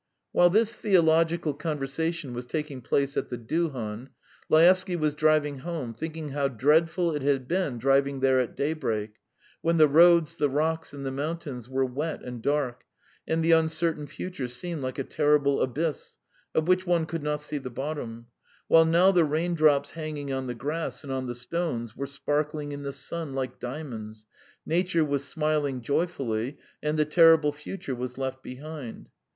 While this theological conversation was taking place at the duhan, Laevsky was driving home thinking how dreadful it had been driving there at daybreak, when the roads, the rocks, and the mountains were wet and dark, and the uncertain future seemed like a terrible abyss, of which one could not see the bottom; while now the raindrops hanging on the grass and on the stones were sparkling in the sun like diamonds, nature was smiling joyfully, and the terrible future was left behind.